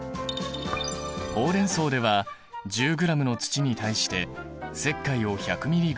ホウレンソウでは１０ｇの土に対して石灰を１００ｍｇ。